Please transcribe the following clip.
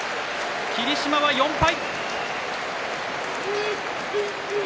霧島は４敗。